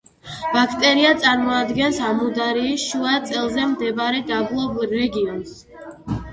ბაქტრია წარმოადგენს ამუდარიის შუა წელზე მდებარე დაბლობ რეგიონს.